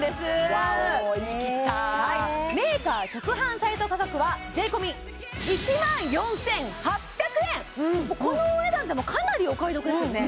ワオ言い切ったメーカ直販サイト価格はもうこのお値段でもかなりお買い得ですよね